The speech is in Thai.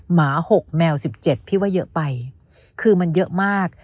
หมา๖แมว๑๗พี่ว่าเยอะไปคือมันเยอะมาก